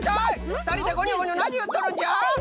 ふたりでごにょごにょなにいっとるんじゃ？